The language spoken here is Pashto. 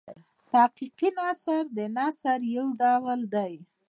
تحقیقي نثر د نثر یو ډول دﺉ.